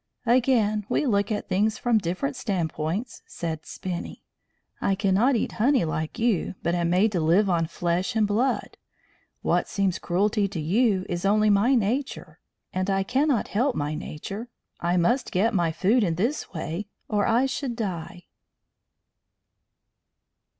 "Again we look at things from different standpoints," said Spinny. "I cannot eat honey like you, but am made to live on flesh and blood. What seems cruelty to you is only my nature, and I cannot help my nature. I must get my food in this way, or I should die."